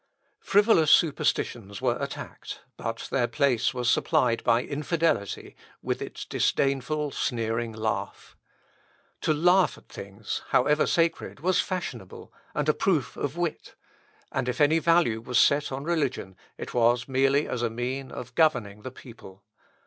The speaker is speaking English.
"... Frivolous superstitions were attacked, but their place was supplied by infidelity, with its disdainful sneering laugh. To laugh at things, however sacred, was fashionable, and a proof of wit; and if any value was set on religion, it was merely as a mean of governing the people.